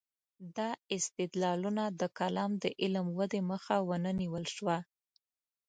دا استدلالونه د کلام د علم ودې مخه ونه نیول شوه.